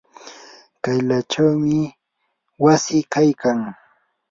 kaylachawmi wasi kaykan.